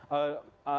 ada di kota